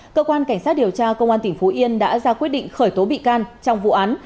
cơ quan cảnh sát điều tra công an tỉnh phú yên đã ra quyết định khởi tố bị can trong vụ án